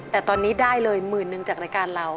แต่ตอนนี้ได้เลยหมื่นหนึ่งจากรายการเรา